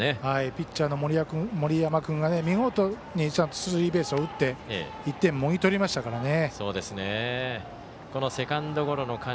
ピッチャーの森山君が見事にちゃんとスリーベースを打って１点、もぎ取りましたからね。